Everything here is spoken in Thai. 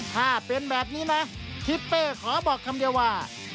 ถ้าเป็นแบบนี้นะทิศเป้ขอบอกคำเดียวว่า